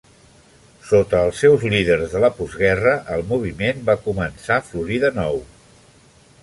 Sota els seus líders de la postguerra, el moviment va començar a florir de nou.